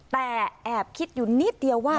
แต่แอบคิดอยู่นิดเดียวว่า